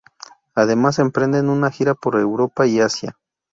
Además, emprenden una gira por Europa y Asia.